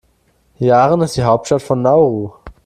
Yaren ist die Hauptstadt von Nauru.